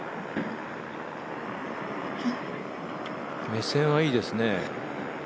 目線はいいですね。